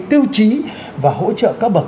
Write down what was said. tiêu chí và hỗ trợ các bậc